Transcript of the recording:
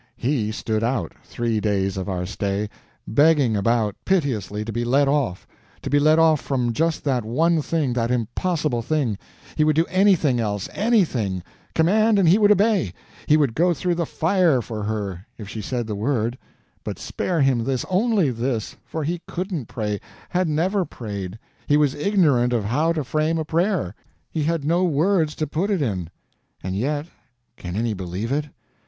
He stood out, three days of our stay, begging about piteously to be let off—to be let off from just that one thing, that impossible thing; he would do anything else—anything—command, and he would obey—he would go through the fire for her if she said the word—but spare him this, only this, for he couldn't pray, had never prayed, he was ignorant of how to frame a prayer, he had no words to put it in. And yet—can any believe it?